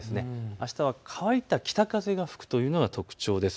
あしたは乾いた北風が吹くというのが特徴です。